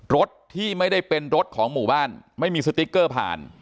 รถที่ไม่ได้เป็นรถของหมู่บ้านไม่มีสติ๊กเกอร์ผ่าน